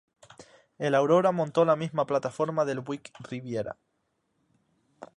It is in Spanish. El Aurora montó la misma plataforma del Buick Riviera.